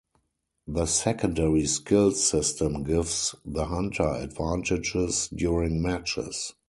The Secondary Skills system gives the Hunter advantages during matches.